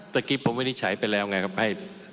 เมื่อกี้ผมไม่ได้ใช้ไปแล้วไงครับไม่ปิดกั้นหรอกครับ